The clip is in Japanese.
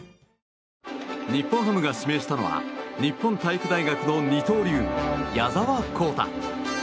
日本ハムが指名したのは日本体育大学の二刀流矢澤宏太。